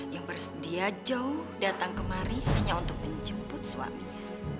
yang bersedia jauh datang kemari hanya untuk menjemput suaminya